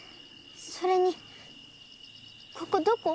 それにここどこ？